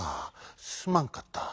すまんかった。